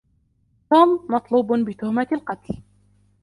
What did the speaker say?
توم مطلوب بتهمة القتل.